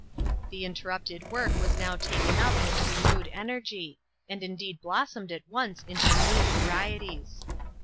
" The interrupted work was now taken up with renewed energy, and indeed blossomed at once into new varieties.